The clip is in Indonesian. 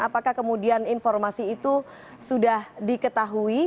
apakah kemudian informasi itu sudah diketahui